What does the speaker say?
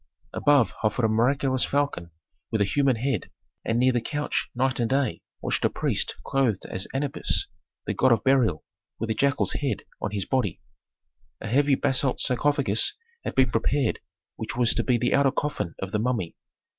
Above hovered a miraculous falcon with a human head, and near the couch night and day watched a priest clothed as Anubis, the god of burial, with a jackal's head on his body. A heavy basalt sarcophagus had been prepared which was to be the outer coffin of the mummy.